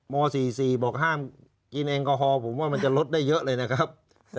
ม๔๔บอกห้ามกินแอลกอฮอลผมว่ามันจะลดได้เยอะเลยนะครับ